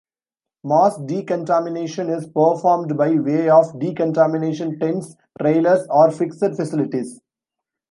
Mass decontamination is performed by way of decontamination tents, trailers, or fixed facilities.